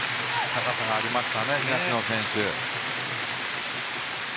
高さがありましたね東野選手。